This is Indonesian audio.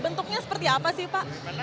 bentuknya seperti apa sih pak